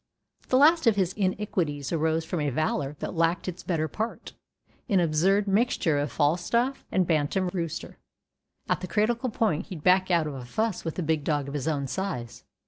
The last of his iniquities arose from a valor that lacked its better part, an absurd mixture of Falstaff and bantam rooster. At the critical point he'd back out of a fuss with a dog of his own size.